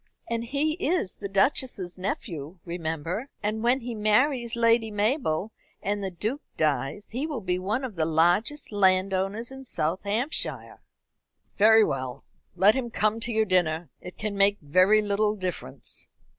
And he is the Duchess's nephew, remember; and when he marries Lady Mabel, and the Duke dies, he will be one of the largest landowners in South Hampshire." "Very well, let him come to your dinner. It can make very little difference."